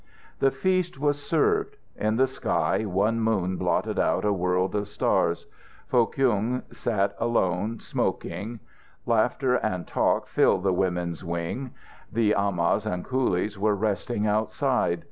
The feast was served. In the sky one moon blotted out a world of stars. Foh Kyung sat alone, smoking. Laughter and talk filled the women's wing. The amahs and coolies were resting outside.